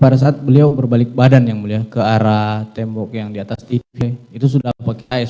jadi pada saat beliau berbalik badan yang mulia ke arah tembok yang di atas itu sudah pakai hs